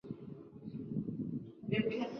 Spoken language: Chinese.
屈尔内。